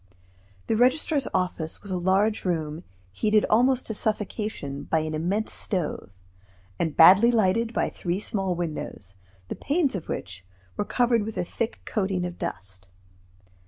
The registrar's office was a large room heated almost to suffocation by an immense stove, and badly lighted by three small windows, the panes of which were covered with a thick coating of dust.